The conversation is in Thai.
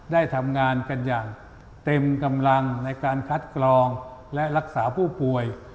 ได้ทำงานกันอย่างเต็มกำลังในการคัดกรองและรักษาผู้ป่วย